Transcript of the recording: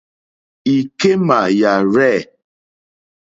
Ìkémà yàrzɛ̂.